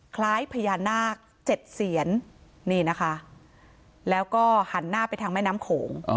คล้ายพญานาค๗เสียนนี่นะคะแล้วก็หันหน้าไปทางแม่น้ำโขง